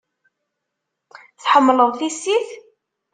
Tḥemmleḍ tissit?